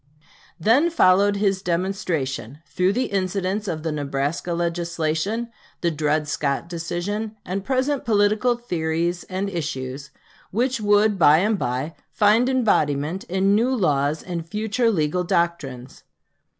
Then followed his demonstration, through the incidents of the Nebraska legislation, the Dred Scott decision, and present political theories and issues, which would by and by find embodiment in new laws and future legal doctrines.